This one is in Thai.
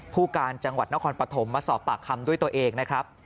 ผู้การจังหวัดนครปฐมมาสอบปากคำด้วยตัวเองนะครับ